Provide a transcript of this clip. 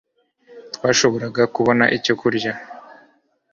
Twashoboraga kubona icyo kurya